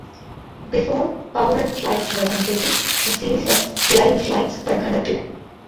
Before powered flights were undertaken, a series of glide flights were conducted.